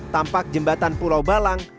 tampak jembatan pulau balang